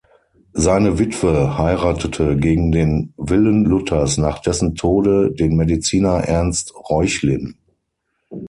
Seine Witwe heiratete gegen den Willen Luthers nach dessen Tode den Mediziner Ernst Reuchlin.